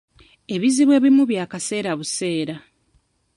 Ebizibu ebimu bya kaseera buseera.